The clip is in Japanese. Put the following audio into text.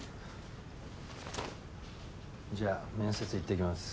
じゃあ面接行ってきます。